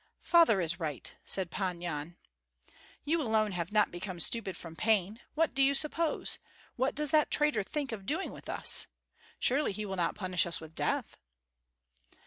"Father is right," said Pan Yan. "You alone have not become stupid from pain. What do you suppose? What does that traitor think of doing with us? Surely he will not punish us with death?"